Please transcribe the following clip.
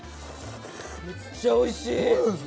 めっちゃおいしい。